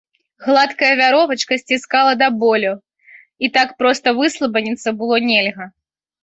Гладкая вяровачка сціскала да болю, і так проста выслабаніцца было нельга.